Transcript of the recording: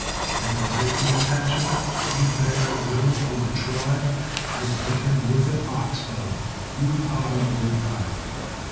And if I can catch him, You bet I will or try, I'd lick him with an ox bow, Root hog or die.